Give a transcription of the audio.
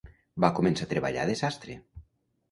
Va començar a treballar de sastre.